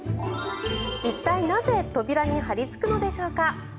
一体なぜ扉に張りつくのでしょうか。